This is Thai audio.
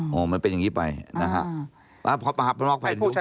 วันนี้เป็นอย่างนี้ไปและพอมาธาปันน็อกไป